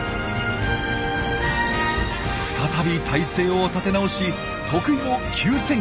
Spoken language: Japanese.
再び体勢を立て直し得意の急旋回。